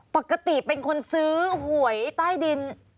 ปกติเป็นคนซื้อหวยใต้ดิน